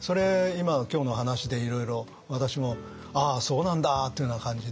今今日の話でいろいろ私もああそうなんだというような感じで。